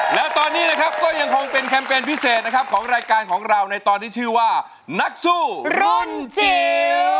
แล้วตอนนี้นะครับก็ยังคงเป็นแคมเปญพิเศษนะครับของรายการของเราในตอนที่ชื่อว่านักสู้รุ่นจิ๋ว